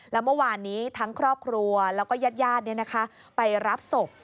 แล้วเมื่อวานนี้ทั้งครอบครัวแล้วก็ญาติไปรับศพ